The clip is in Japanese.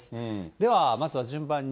ではまずは順番に。